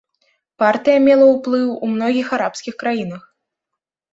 Партыя мела ўплыў у многіх арабскіх краінах.